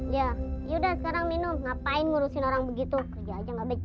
ya udah sekarang minum ngapain ngurusin orang begitu kerja aja nggak becus